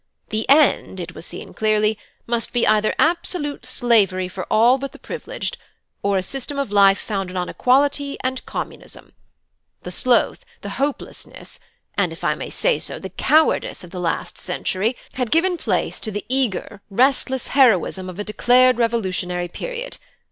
The end, it was seen clearly, must be either absolute slavery for all but the privileged, or a system of life founded on equality and Communism. The sloth, the hopelessness, and if I may say so, the cowardice of the last century, had given place to the eager, restless heroism of a declared revolutionary period.